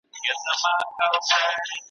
د حق مخ ته به دریږو څنګ پر څنګ به سره مله یو `